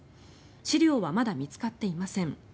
資料はまだ見つかっていません。